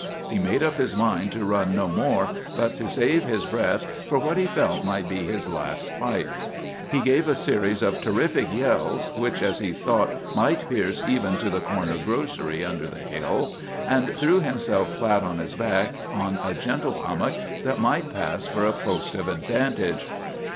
He made up his mind to run no more, but to save his breath for what he felt might be his last fight. He gave a series of terrific yells, such as he thought might pierce even to the corner grocery under the hill, and threw himself flat on his back on a gentle hummock that might pass for a post of vantage.